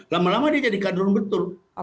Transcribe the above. lama lama dia jadi kadrun betul